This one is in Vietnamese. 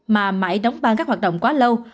mà mãi đóng ban các hoạt động quá lâu